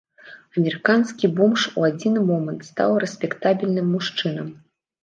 Амерыканскі бомж у адзін момант стаў рэспектабельным мужчынам.